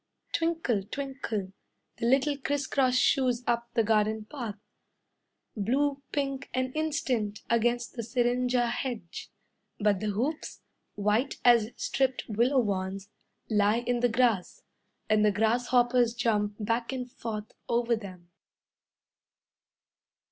Twinkle, twinkle, the little criss cross shoes Up the garden path. Blue pink an instant, against the syringa hedge. But the hoops, white as stripped willow wands, Lie in the grass, And the grasshoppers jump back and forth Over them.